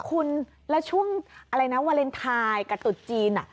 คุณแล้วช่วงเวอร์เรนไทน์กับตุ๊ดจีน